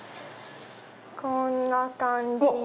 こんな感じに。